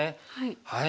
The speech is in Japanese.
はい。